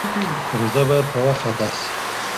فريضه باید په وخت ادا سي.